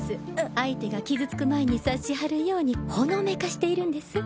相手が傷つく前に察しはるようにほのめかしているんです。